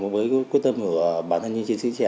với quyết tâm của bản thân những chiến sĩ trẻ